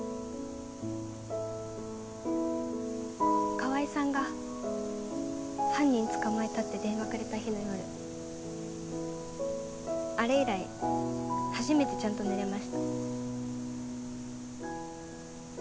川合さんが犯人捕まえたって電話くれた日の夜あれ以来初めてちゃんと寝れました。